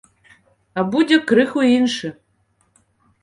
А будзе крыху іншы.